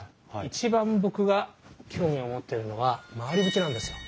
一番僕が興味を持ってるのは廻り縁なんですよ。